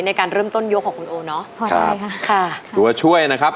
ในการเริ่มต้นยกของคุณโอเนอะพอได้ค่ะค่ะตัวช่วยนะครับ